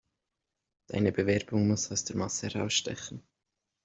Deine Bewerbung muss aus der Masse herausstechen.